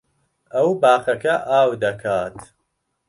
ئەو باخەکە ئاو دەکات.